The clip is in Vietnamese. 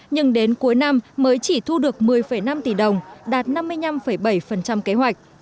nhưng đến cuối năm mới chỉ thu được một mươi năm tỷ đồng đạt năm mươi năm bảy kế hoạch